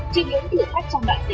trên những thử thách trong đại dịch